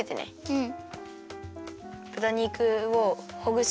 うん。